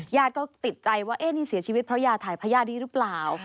ญาติก็ติดใจว่านี่เสียชีวิตเพราะยาถ่ายพญาตินี้หรือเปล่า